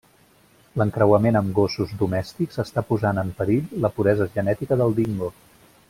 L'encreuament amb gossos domèstics està posant en perill la puresa genètica del dingo.